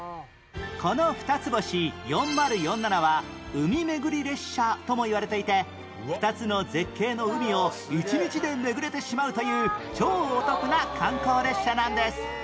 このふたつ星４０４７は海めぐり列車ともいわれていて２つの絶景の海を１日で巡れてしまうという超お得な観光列車なんです